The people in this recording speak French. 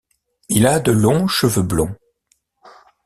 Il a de longs cheveux blonds.